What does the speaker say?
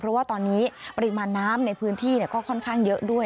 เพราะว่าตอนนี้ปริมาณน้ำในพื้นที่ก็ค่อนข้างเยอะด้วย